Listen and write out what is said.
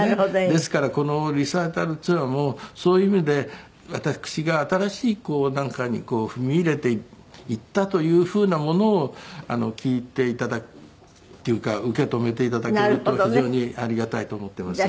ですからこのリサイタルツアーもそういう意味で私が新しい何かに踏み入れていったというふうなものを聴いて頂くっていうか受け止めて頂けると非常にありがたいと思っています。